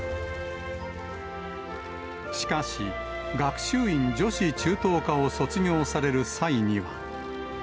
しかし、学習院女子中等科を卒業される際には。